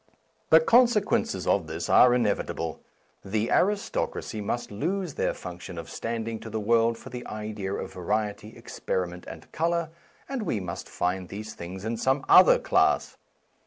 The consequences of this are inevitable. The aristocracy must lose their function of standing to the world for the idea of variety, experiment, and colour, and we must find these things in some other class.